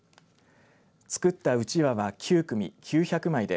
作ったうちわは９組９００枚で